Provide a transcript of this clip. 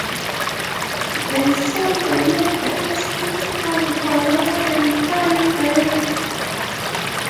They saw the measure as critical for lowering crime rates.